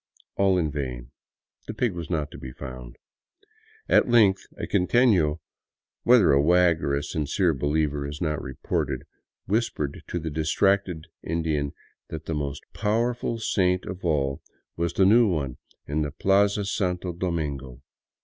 All in vain ; the pig was not to be found. At length a quiteno — whether a wag or a sincere believer is not reported — whispered to the distracted Indian that the most powerful saint of all was the new one in the Plaza Santo Domingo.